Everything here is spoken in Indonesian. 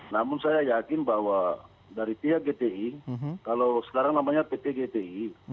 namun saya yakin bahwa dari pihak gti kalau sekarang namanya pt gti